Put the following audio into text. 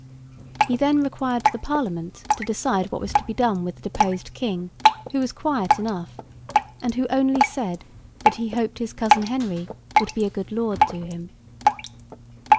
He then required the Parliament to decide what was to be done with the deposed King, who was quiet enough, and who only said that he hoped his cousin Henry would be 'a good lord' to him.